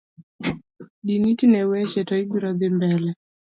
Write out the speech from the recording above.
Din iti ne wecheji to ibiro dhimbele.